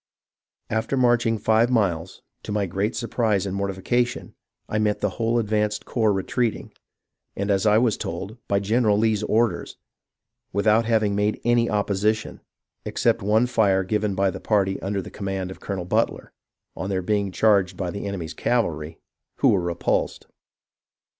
After marching five miles, to my great surprise and mortifica tion I met the whole advanced corps retreating, and, as I was told, by General Lee's orders, without having made any opposi tion, except one fire given by the party under the command of Colonel Butler, on their being charged by the enemy's cavalry, who were repulsed.